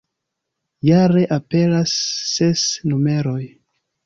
Jare aperas ses numeroj.